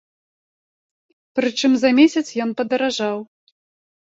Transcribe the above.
Прычым за месяц ён падаражаў!